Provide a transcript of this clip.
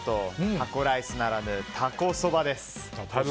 タコライスならぬタコそばです。